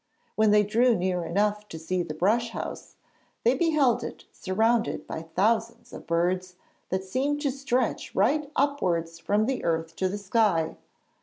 When they drew near enough to see the brush house, they beheld it surrounded by thousands of birds that seemed to stretch right upwards from the earth to the sky.